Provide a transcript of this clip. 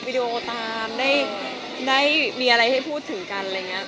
ดีโอตามได้มีอะไรให้พูดถึงกันอะไรอย่างนี้